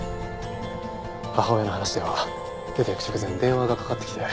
母親の話では出ていく直前に電話がかかってきて。